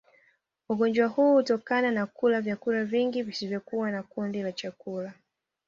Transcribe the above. ugonjwa huu hutokana na kula vyakula vingi visivyokuwa na kundi la chakula